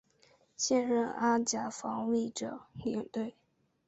现任阿甲防卫者领队。